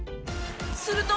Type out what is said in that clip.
すると。